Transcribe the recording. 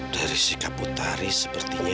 dari sikap putari sepertinya